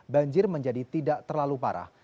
banjir menjadi tidak terlalu parah